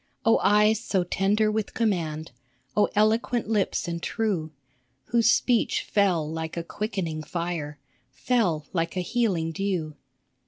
Oh eyes so tender with command ! Oh eloquent lips and true, Whose speech fell like a quickening fire, Fell like a healing dew